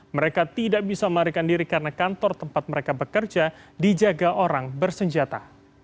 mereka tidak bisa melarikan diri karena kantor tempat mereka bekerja dijaga orang bersenjata